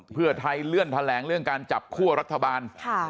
เพื่อไทยเลื่อนแถลงเรื่องการจับคั่วรัฐบาล